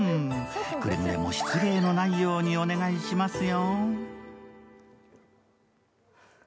くれぐれも失礼のないようお願いしますよ。